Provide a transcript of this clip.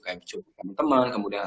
kayak cumpul sama temen kemudian